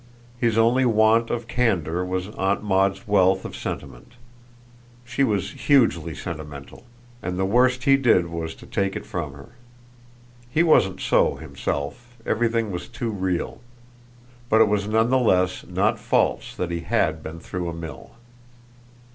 His only want of candour was Aunt Maud's wealth of sentiment. She was hugely sentimental, and the worst he did was to take it from her. He wasn't so himself everything was too real; but it was none the less not false that he HAD been through a mill.